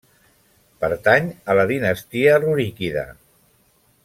Pertany a la dinastia ruríkida.